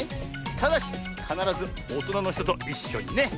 ただしかならずおとなのひとといっしょにね！